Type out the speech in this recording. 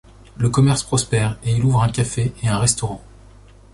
Le commerce prospère, et il ouvre un café et un restaurant.